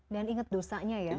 dan inget dosanya ya